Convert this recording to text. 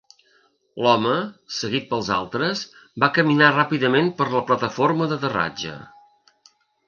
L'home, seguit pels altres, va caminar ràpidament per la plataforma d'aterratge.